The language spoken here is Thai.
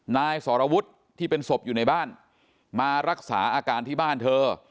นายสรวุฒิที่เป็นศพอยู่ในบ้านมารักษาอาการที่บ้านเธอ